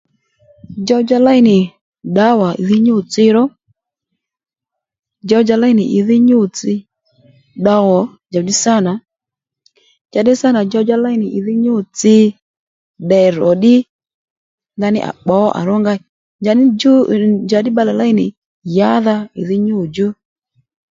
Djow-djá léy nì ddǎwà ìdhí nyǔ-tsi ró, djow-djá ley nì ìdha nyû-tsi ddow ò njàddí sǎ nà njàddí sâ nà djow-djá ley nì ìdhí nyû-tsi ddèr ò ddí ndaní à pbǒ à rónga njàddí djú njàddí bbalè ley nì yǎdha ìdhí nyû djú